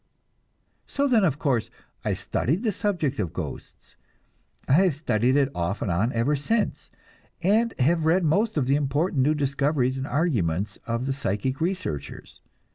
So then, of course, I studied the subject of ghosts. I have studied it off and on ever since, and have read most of the important new discoveries and arguments of the psychic researchers.